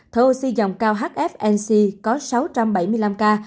thở oxy dòng cao hfnc có sáu trăm bảy mươi năm ca